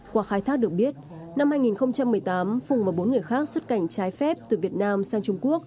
qua khai thác được biết năm hai nghìn một mươi tám phùng và bốn người khác xuất cảnh trái phép từ việt nam sang trung quốc